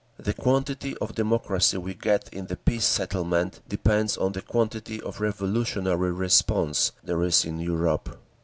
The quantity of democracy we get in the peace settlement depends on the quantity of revolutionary response there is in Europe.